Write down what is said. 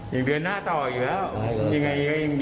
ยังเดินหน้าต่ออยู่แล้ว